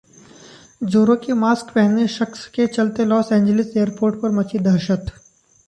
‘जोरो’ के मास्क पहने शख्स के चलते लॉस एंजेलिस एयरपोर्ट पर मची दहशत